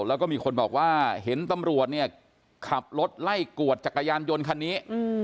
แล้วก็มีคนบอกว่าเห็นตำรวจเนี่ยขับรถไล่กวดจักรยานยนต์คันนี้